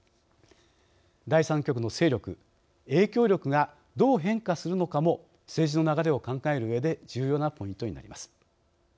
第３極の勢力、影響力がどう変化するのかも政治の流れを考えるうえで重要なポイントになります。